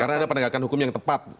karena ada penegakan hukum yang tepat